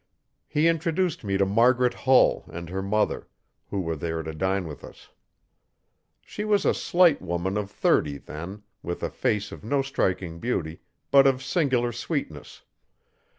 He introduced me to Margaret Hull and her mother, who were there to dine with us. She was a slight woman of thirty then, with a face of no striking beauty, but of singular sweetness.